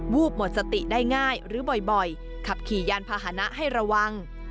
วูบหมดสติได้ง่ายหรือบ่อยขับขี่ยานพาหนะให้ระวัง